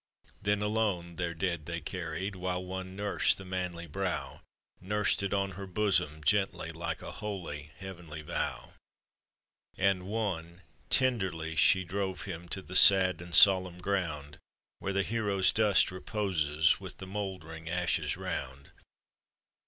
Then, alone, their dead they carried, While one nursed the manly brow — Nursed it on her bosom gently, Like a holy, heavenly vow. And one — tenderly she drove him To the sad and solemn ground, Where the hero's dust reposes With the moldering ashes round.